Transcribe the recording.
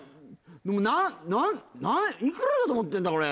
「何何何いくらだと思ってんだこれ」